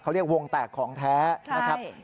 เขาเรียกวงแตกของแท้นะครับ